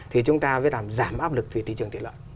thì chúng ta phải làm giảm áp lực về thị trường thịt lợn